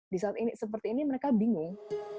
di saat ini seperti ini mereka bingung